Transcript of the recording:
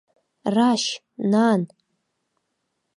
Рашь, нан?!